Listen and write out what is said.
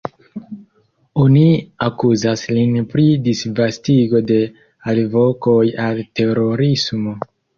Oni akuzas lin pri disvastigo de “alvokoj al terorismo”.